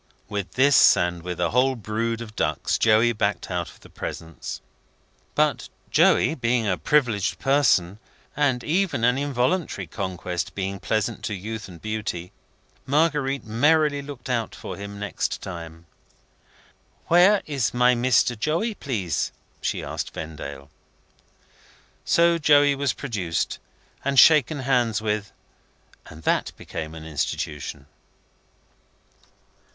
With this, and with a whole brood of ducks, Joey backed out of the presence. But Joey being a privileged person, and even an involuntary conquest being pleasant to youth and beauty, Marguerite merrily looked out for him next time. "Where is my Mr. Joey, please?" she asked Vendale. So Joey was produced, and shaken hands with, and that became an Institution.